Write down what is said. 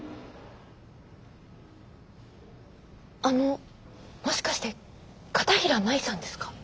あのもしかして片平真依さんですか？